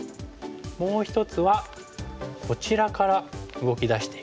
もう一つはこちらから動き出していく。